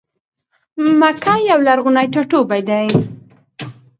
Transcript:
مکه یو لرغونی ټا ټوبی دی.